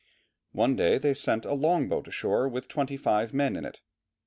One day they sent a long boat ashore with twenty five men in it.